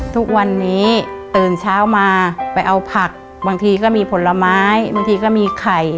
ทุกวันนี้ตื่นเช้ามาไปเอาผักบางทีก็มีผลไม้บางทีก็มีไข่